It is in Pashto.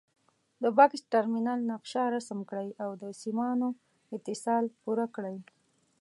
د بکس ټرمینل نقشه رسم کړئ او د سیمانو اتصال پوره کړئ.